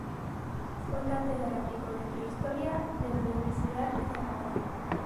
Fue catedrático de Prehistoria de la Universidad de Zaragoza.